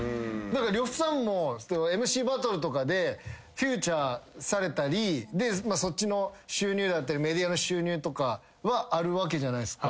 呂布さんもＭＣバトルとかでフィーチャーされたりそっちの収入だったりメディアの収入とかはあるわけじゃないっすか。